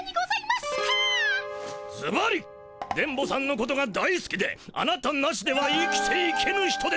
ずばり電ボさんのことが大すきであなたなしでは生きていけぬ人です。